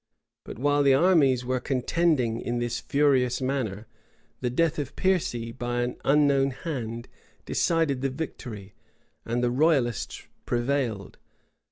[*] But while the armies were contending in this furious manner, the death of Piercy, by an unknown hand, decided the victory, and the royalists prevailed.